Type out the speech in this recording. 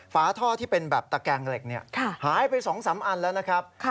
ฝาท่อที่เป็นแบบตะแกงเหล็กหายไป๒๓อันแล้วนะครับ